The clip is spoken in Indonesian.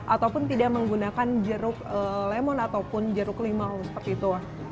ataupun tidak menggunakan jeruk lemon ataupun jeruk limau seperti itu